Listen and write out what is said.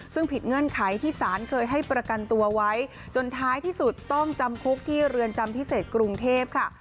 ซึ่งผิดเงื่อนไขที่สารเคยให้ประกันตัวไว้จนท้ายที่สุดต้องจำคุกที่เรือนจำพิเศษกรุงเทพค่ะ